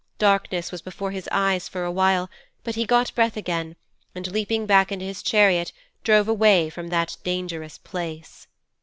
Darkness was before his eyes for a while, but he got breath again, and leaping back into his chariot drove away from that dangerous place.'